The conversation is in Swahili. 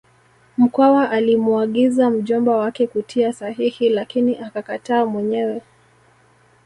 Mkwawa alimuagiza mjomba wake kutia sahihi lakini akakataa mwenyewe